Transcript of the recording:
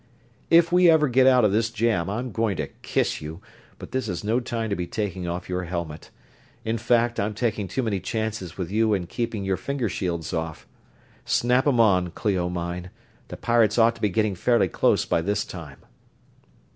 "If we ever get out of this jam I'm going to kiss you, but this is no time to be taking off your helmet. In fact, I'm taking too many chances with you in keeping your finger shields off. Snap 'em on, Clio mine; the pirates ought to be getting fairly close by this time."